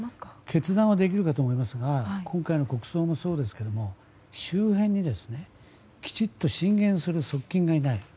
決断はできるかと思いますが今回の国葬もそうですが周辺にきちっと進言する側近がいない。